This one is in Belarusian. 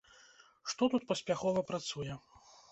Што тут паспяхова працуе?